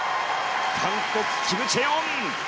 韓国、キム・チェヨン！